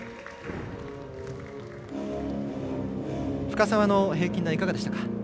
深沢の平均台、いかがでしたか。